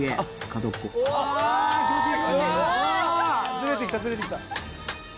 ずれてきたずれてきた。